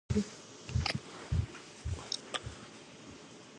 As a seasonal symbol in Japan, the dragonfly is associated with autumn.